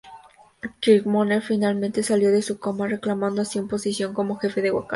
Killmonger finalmente salió de su coma, reclamando así su posición como jefe de Wakanda.